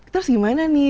terus gimana nih